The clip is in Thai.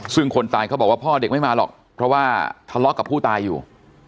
ซึ่งคนตายเขาบอกว่าพ่อเด็กไม่มาหรอกเพราะว่าทะเลาะกับผู้ตายอยู่